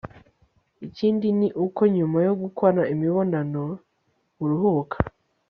ikindi ni uko nyuma yo gukora imibonano uruhuka